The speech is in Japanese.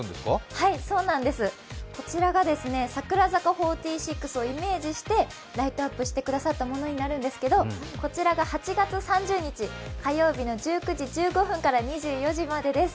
はい、こちらが櫻坂４６をイメージして、ライトアップしてくださったものになるんですけど、こちらが８月３０日火曜日の１９時１５分から２４時までです。